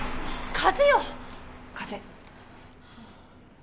風。